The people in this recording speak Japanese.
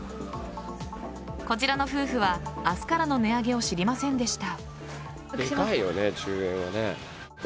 こちらの夫婦は明日からの値上げを知りませんでした。